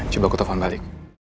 coba aku telfon balik